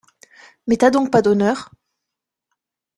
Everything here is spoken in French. Mais t’as donc pas d’honneur ?